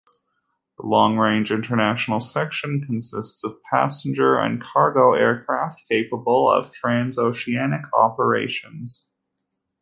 The long-range international section consists of passenger and cargo aircraft capable of transoceanic operations.